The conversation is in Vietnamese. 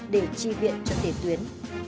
để trì điệp cho thể tuyến